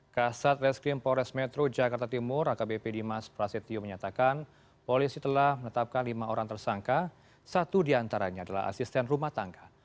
kasat reskrim pores metro jakarta timur akbp dimas prasetyo menyatakan polisi telah menetapkan lima orang tersangka satu diantaranya adalah asisten rumah tangga